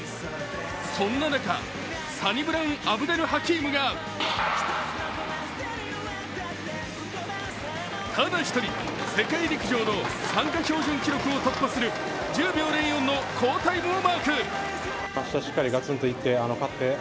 そんな中、サニブラウン・アブデル・ハキームがただ１人、世界陸上の参加標準記録を突破する１０秒０４の好タイムをマーク。